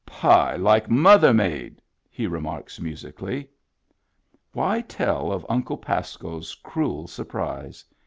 " Pie like mother made," he remarks musically. Why tell of Uncle Pasco's cruel surprise